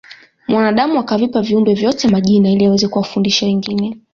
mwanadamu akavipa viumbe vyote majina ili aweze kuwafundisha wengine